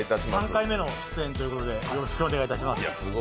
３回目の出演ということでよろしくお願いします。